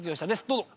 どうぞ。